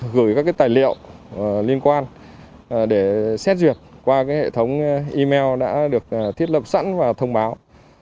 gửi các tài liệu liên quan để xét duyệt qua hệ thống email đã được thiết lập sẵn và thông báo